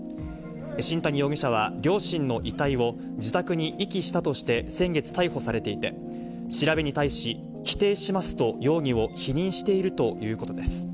新谷容疑者は、両親の遺体を自宅に遺棄したとして、先月逮捕されていて、調べに対し、否定しますと、容疑を否認しているということです。